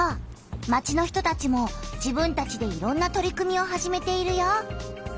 町の人たちも自分たちでいろんな取り組みを始めているよ！